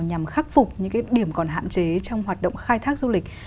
nhằm khắc phục những điểm còn hạn chế trong hoạt động khai thác du lịch